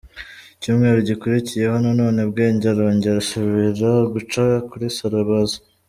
cyumweru gikurikiyeho nanone Bwenge arongera asubira guca kuri salon abaza.